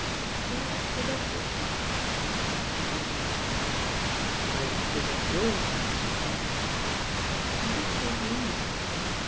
"Why did you give up your tramp?" she enquired irrelevantly. "Why did you give up yours?" he countered. "I had to go to London."